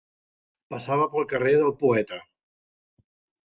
Passava pel carrer del poeta;